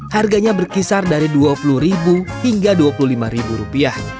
harganya berkisar dari rp dua puluh hingga rp dua puluh lima